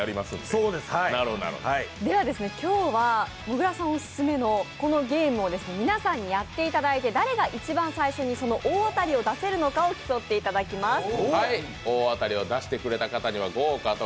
今日はですね、もぐらさんオススメのこのゲームを皆さんにやっていただいて誰が一番、最初にその大当たりを出せるのかを競っていただきます。